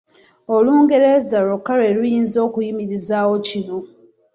Olungereza lwokka lwe luyinza okuyimirizaawo kino.